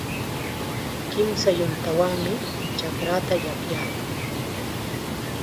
Kimsa yuntawanmi chakraakunata yapyayaa.